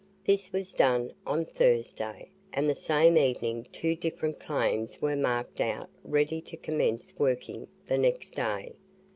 This was done on Thursday, and the same evening two different claims were marked out ready to commence working the next day.